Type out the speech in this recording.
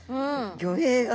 魚影が。